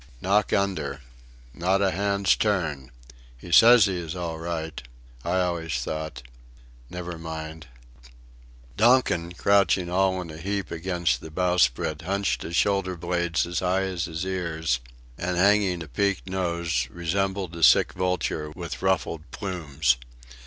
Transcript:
"Knock under" "Not a hand's turn" "He says he is all right" "I always thought" "Never mind...." Donkin, crouching all in a heap against the bowsprit, hunched his shoulderblades as high as his ears, and hanging a peaked nose, resembled a sick vulture with ruffled plumes.